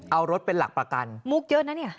เอารถเป็นหลักประกันมุกเยอะนะเนี่ย